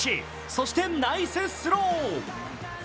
そしてナイススロー。